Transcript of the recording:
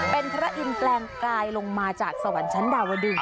เป็นพระอินทร์แปลงกายลงมาจากสวรรค์ชั้นดาวดึง